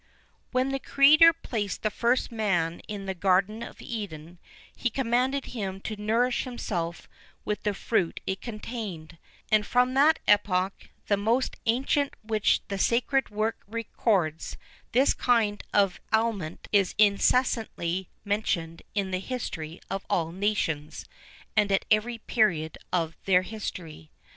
When the Creator placed the first man in the Garden of Eden, he commanded him to nourish himself with the fruit it contained;[XI 1] and, from that epoch, the most ancient which the sacred work records, this kind of aliment is incessantly mentioned in the history of all nations, and at every period of their history.